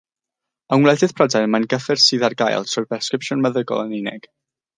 Yng Ngwledydd Prydain mae'n gyffur sydd ar gael trwy bresgripsiwn meddygol yn unig.